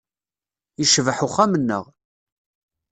Yecbeḥ uxxam-nneɣ.